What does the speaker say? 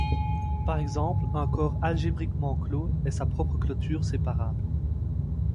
Par exemple un corps algébriquement clos est sa propre clôture séparable.